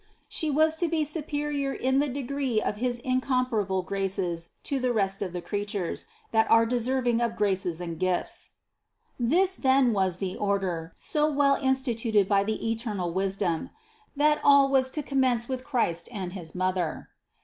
She was to be superior in the degree of his incomparable graces to all the rest of the creatures, that are deserving of graces and gifts. This then was the order, so well instituted by the eternal wisdom : that all was to commence with Christ and his Mother.